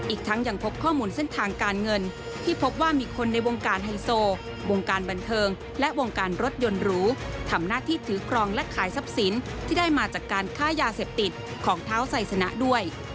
อีกทั้งยังพบข้อมูลเส้นทางการเงินที่พบว่ามีคนในวงการไฮโซวงการบันเทิงและวงการรถยนต์หรูทำหน้าที่ถือครองและขายทรัพย์สินที่ได้มาจากการค้ายาเสพติดของเท้าไซสนะด้วย